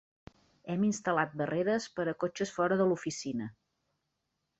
Hem instal·lat barreres per a cotxes fora de l'oficina.